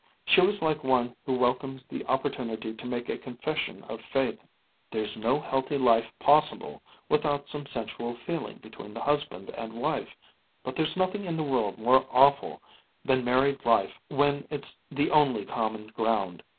She was like one who welcomes the opportunity to make a confession of faith. "There's no healthy life possible without some sensual feeling between the husband and wife, but there's nothing in the world more awful than married life when it's the only common ground."